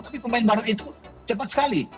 tapi pemain baru itu cepat sekali